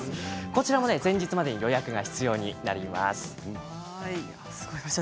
こちらも前日までに予約が必要になります。